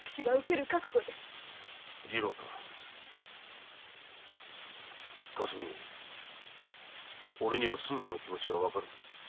次郎太かすみおれには鈴加の気持がわかる。